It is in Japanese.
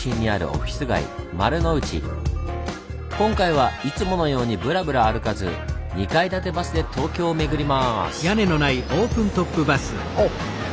今回はいつものようにブラブラ歩かず２階建てバスで東京を巡ります。